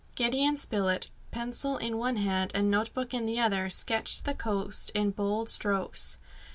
Gideon Spilett, pencil in one hand and note book in the other, sketched the coast in bold strokes.